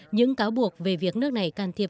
những cáo buộc về việc nước này can thiệp